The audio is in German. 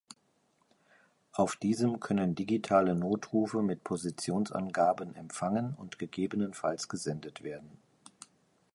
Auf diesem können digitale Notrufe mit Positionsangaben empfangen und gegebenenfalls gesendet werden.